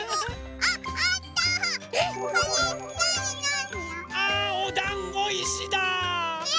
あおだんごいしだ！え？